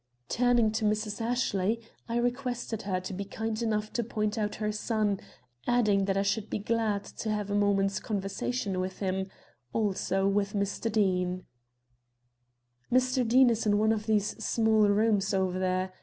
Turning to Mrs. Ashley, I requested her to be kind enough to point out her son, adding that I should be glad to have a moment's conversation with him, also with Mr. Deane. "Mr. Deane is in one of those small rooms over there.